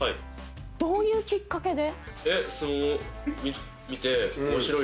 どういうきっかけで？